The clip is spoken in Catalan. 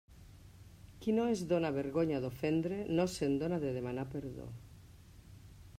Qui no es dóna vergonya d'ofendre no se'n dóna de demanar perdó.